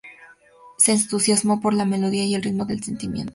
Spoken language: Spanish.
Se entusiasmó por la melodía, el ritmo y el sentimiento.